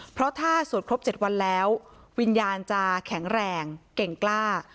เพราะถ้าสวดครบ๗วันแล้ววิญญาณจะแข็งแรงเก่งกล้า